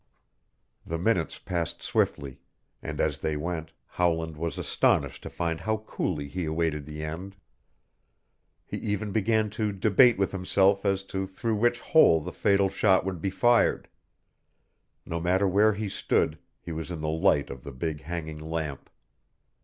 The minutes passed swiftly, and as they went Howland was astonished to find how coolly he awaited the end. He even began to debate with himself as to through which hole the fatal shot would be fired. No matter where he stood he was in the light of the big hanging lamp.